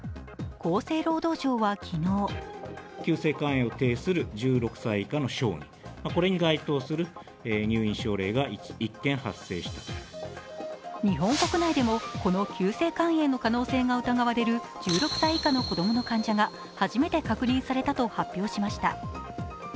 厚生労働省は昨日日本国内でもこの急性肝炎の可能性が疑われる１６歳以下の子供の患者が初めて確認されたと発表しました。